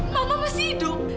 mama masih hidup